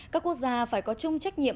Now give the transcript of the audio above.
các quốc gia phải có chung trách nhiệm